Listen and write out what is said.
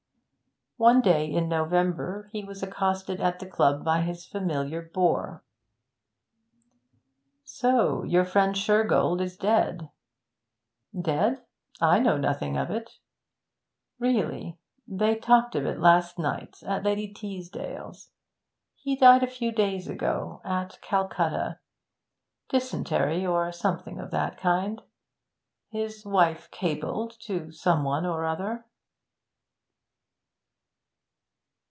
One day in November he was accosted at the club by his familiar bore. 'So your friend Shergold is dead?' 'Dead? I know nothing of it.' 'Really? They talked of it last night at Lady Teasdale's. He died a few days ago, at Calcutta. Dysentery, or something of that kind. His wife cabled to some one or other.'